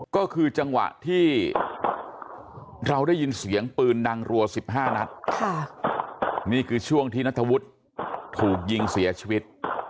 ก็คือจังหวะที่เราได้ยินเสียงปืนดังรัว๑๕นัดนี่คือช่วงที่นัทธวุฒิถูกยิงเสียชีวิต